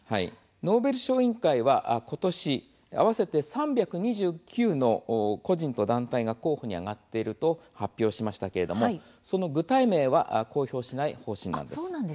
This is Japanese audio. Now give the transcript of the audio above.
ノーベル賞委員会はことし合わせて３２９の個人と団体が候補に挙がっていると発表しましたけれどもその具体名は公表しない方針です。